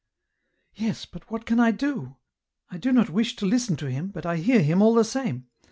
" Yes, but what can I do ? I do not wish to listen to him, but I hear him all the same.